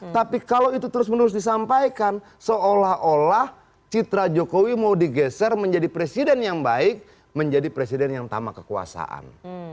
tapi kalau itu terus menerus disampaikan seolah olah citra jokowi mau digeser menjadi presiden yang baik menjadi presiden yang tama kekuasaan